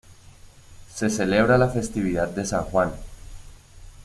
Se celebra la festividad de San Juan.